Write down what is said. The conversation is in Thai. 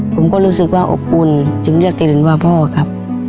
ผมก็รู้สึกว่าอบอุ่นจึงเลือกเตลินว่าพ่อครับ